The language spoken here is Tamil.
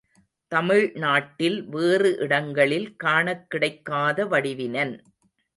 தமிழ் நாட்டில் வேறு இடங்களில் காணக் கிடைக்காத வடிவினன்.